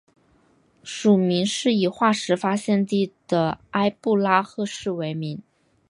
属名是以化石发现地的埃布拉赫市为名。